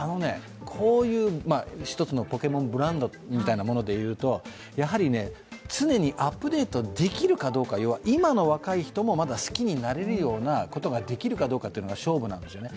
こういう一つのポケモンブランドみたいなもので言うとやはり常にアップデートできるかどうか、要は今の若い人もまだ好きになれるようなことができるかどうかというのが勝負なんですよね。